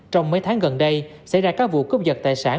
trong mấy tháng gần đây xảy ra các vụ cướp dật tài sản